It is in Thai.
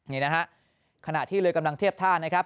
นี่นะฮะขณะที่เรือกำลังเทียบท่านะครับ